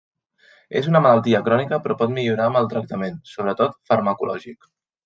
És una malaltia crònica però pot millorar amb el tractament, sobretot farmacològic.